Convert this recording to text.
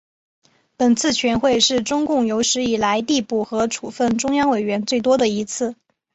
本次全会是中共有史以来递补和处分中央委员最多的一次。